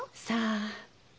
さあ。